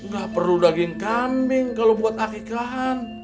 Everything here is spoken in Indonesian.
gak perlu daging kambing kalo buat akekahan